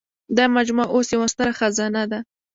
دا مجموعه اوس یوه ستره خزانه ده.